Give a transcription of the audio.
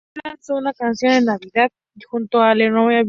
Hansen lanzó una canción de Navidad junto a Leona Lewis.